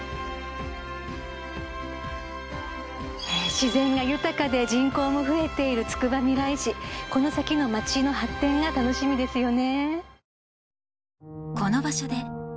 自然が豊かで人口も増えているつくばみらい市この先のまちの発展が楽しみですよね